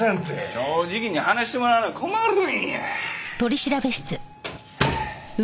正直に話してもらわな困るんや。